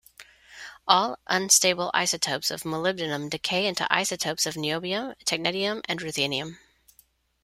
All unstable isotopes of molybdenum decay into isotopes of niobium, technetium, and ruthenium.